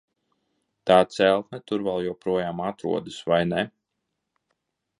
Tā celtne tur vēl joprojām atrodas, vai ne?